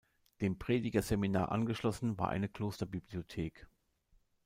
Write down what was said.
Dem Predigerseminar angeschlossen war eine Klosterbibliothek.